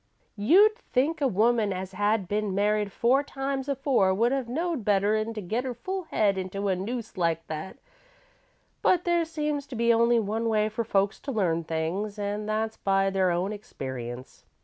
You'd think a woman as had been married four times afore would have knowed better 'n to get her fool head into a noose like that, but there seems to be only one way for folks to learn things, an' that's by their own experience.